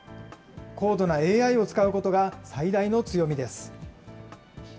高度なＡＩを使うことが最大の強みです。